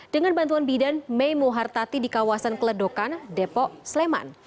dengan bantuan bidan mei muhartati di kawasan keledokan depok sleman